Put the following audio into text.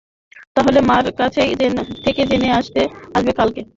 তাহলে মার কাছ থেকে জেনে আসবে কালকে।